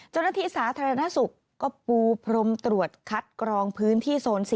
เจ้าหน้าที่สาธารณสุขก็ปูพรมตรวจคัดกรองพื้นที่โซน๔